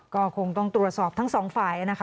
ก็คงต้องตรวจสอบทั้งสองฝ่ายนะคะ